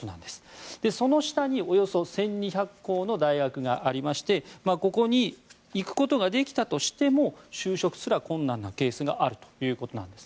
その下におよそ１２００校の大学がありましてここに行くことができたとしても就職すら困難なケースがあるということです。